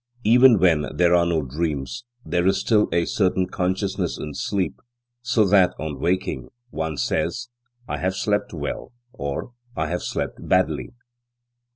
Even when there are no dreams, there is still a certain consciousness in sleep, so that, on waking, one says, "I have slept well," or "I have slept badly."